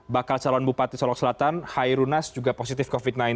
bakal calon bupati solok selatan hairunas juga positif covid sembilan belas